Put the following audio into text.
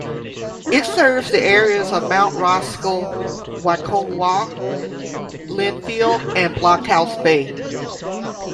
It serves the areas of Mount Roskill, Waikowhai, Lynfield and Blockhouse Bay.